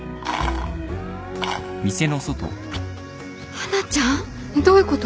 華ちゃん？どういうこと？